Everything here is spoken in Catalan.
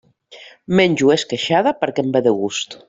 Menjo esqueixada perquè em ve de gust.